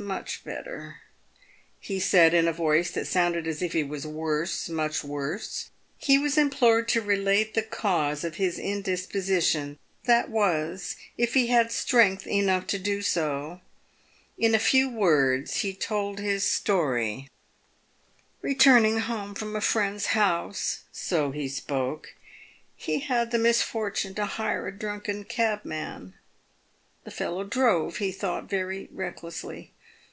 much ... better," he said, in a voice that sounded as if he was worse, much worse. He was implored to relate the cause of his indisposition, that was, if he had strength enough to do so. In a few words he told his story :" Returning home from a friend's house," so he spoke, " he had the misfortune to hire a drunken cabman. The fellow drove, he thought, very recklessly.